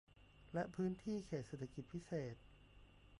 และพื้นที่เขตเศรษฐกิจพิเศษ